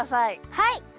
はい！